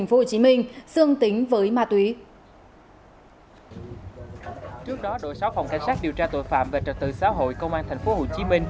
sáu phòng cảnh sát điều tra tội phạm về trật tự xã hội công an tp hcm